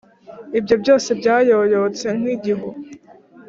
Ibyo byose byayoyotse nk’igihu,